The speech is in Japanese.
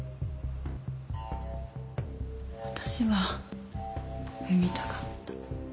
私は産みたかった。